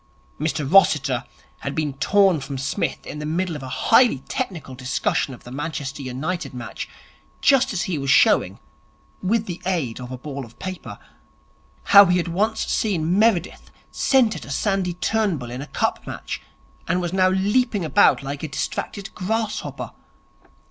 Mr Rossiter had been torn from Psmith in the middle of a highly technical discussion of the Manchester United match, just as he was showing with the aid of a ball of paper how he had once seen Meredith centre to Sandy Turnbull in a Cup match, and was now leaping about like a distracted grasshopper.